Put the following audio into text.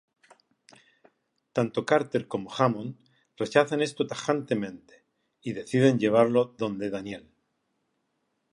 Tanto Carter como Hammond rechazan esto tajantemente, y deciden llevarlo donde Daniel.